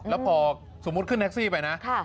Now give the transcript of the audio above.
แล้วพอสมมุติขึ้นแท็กซี่ไปนะ